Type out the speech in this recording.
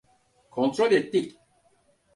Kontrol ettik.